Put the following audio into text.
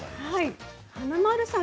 華丸さん